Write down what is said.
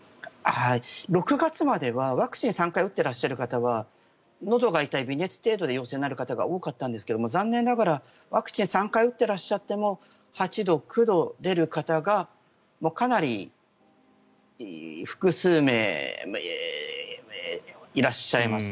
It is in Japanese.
６月までは、ワクチン３回打ってらっしゃる方はのどが痛い、微熱程度で陽性になる方が多かったんですが残念ながらワクチンを３回打っていらっしゃった方でも３８度、３９度出る方がかなり複数名いらっしゃいます。